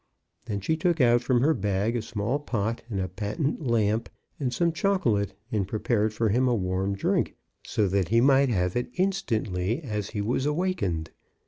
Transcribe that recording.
Then she took out from her bag a small pot and a patent lamp and some chocolate, and prepared for him a warm drink, so that he might have it instantly as he was awakened.